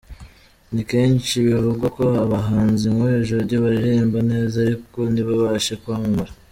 Ni kenshi bivugwa ko abahanzi nk’uyu Jody baririmba neza, ariko ntibabashe kwamamara.